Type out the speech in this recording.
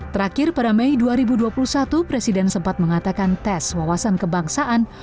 terakhir pada mei dua ribu dua puluh satu presiden sempat mengatakan tes wawasan kebangsaan